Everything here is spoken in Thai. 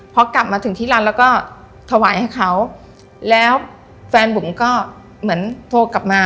พอกลับมาถึงที่ร้านแล้วก็ถวายให้เขาแล้วแฟนบุ๋มก็เหมือนโทรกลับมา